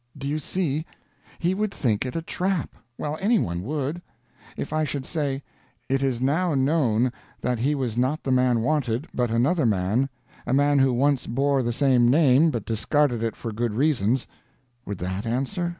Do you see? He would think it a trap. Well, any one would. If I should say, "It is now known that he was not the man wanted, but another man a man who once bore the same name, but discarded it for good reasons" would that answer?